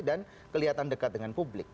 dan kelihatan dekat dengan publik